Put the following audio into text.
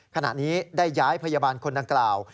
ขณะนี้ได้ย้ายพยาบาลคนดังกล่าว